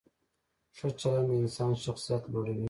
ښه چلند د انسان شخصیت لوړوي.